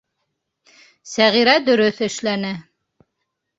Сәғирә дөрөҫ эшләне.